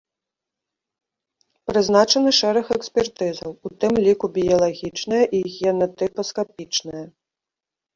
Прызначаны шэраг экспертызаў, у тым ліку біялагічная і генатыпаскапічная.